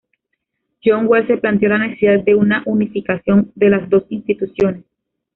John Wells, se planteó la necesidad de una unificación de las dos instituciones.